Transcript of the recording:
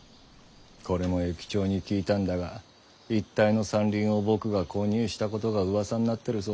これも駅長に聞いたんだが一帯の山林を僕が購入したことがうわさになってるそうだ。